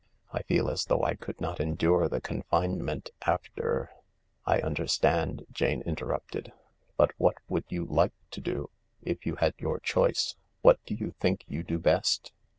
I feel as though I could not endure the confinement after "" I understand," Jane interrupted, " but what would you like to do, if you had your choice — what do you think you do best